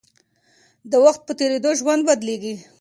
د وخت په تېرېدو ژوند بدلېږي.